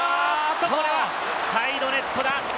これはサイドネットだ！